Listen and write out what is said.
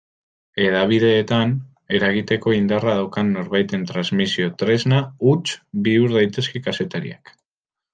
Hedabideetan eragiteko indarra daukan norbaiten transmisio-tresna huts bihur daitezke kazetariak.